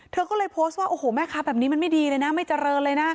เธอก็เลยโพสต์ว่าโอ้โหแม่ค้าแบบนี้มันไม่ดีเลยนะไม่เจริญเลยนะ